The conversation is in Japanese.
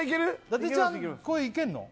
伊達ちゃんこれいけんの？